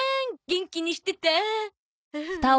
元気にしてた？